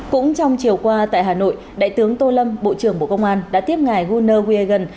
cũng trong chiều qua tại hà nội đại tướng tô lâm bộ trưởng bộ công an đã tiếp ngài guner weigen